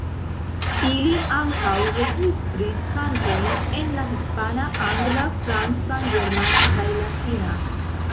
Ili ankaŭ registris kantojn en la hispana, angla, franca, germana kaj latina.